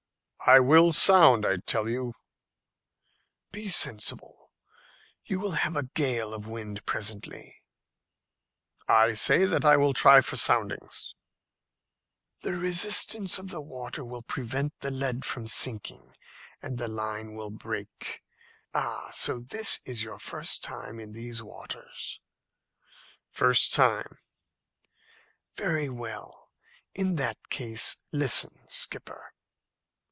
"I will sound, I tell you." "Be sensible; you will have a gale of wind presently." "I say that I will try for soundings." "The resistance of the water will prevent the lead from sinking, and the line will break. Ah! so this is your first time in these waters?" "The first time." "Very well; in that case listen, skipper."